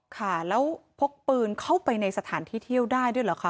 ค่ะแล้วพกปืนเข้าไปในสถานที่เที่ยวได้ด้วยเหรอคะ